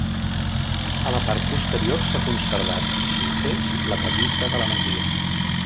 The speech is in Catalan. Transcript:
A la part posterior s'ha conservat, així mateix, la pallissa de la masia.